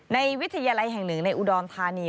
วิทยาลัยแห่งหนึ่งในอุดรธานี